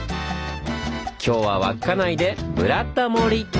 今日は稚内で「ブラタモリ」！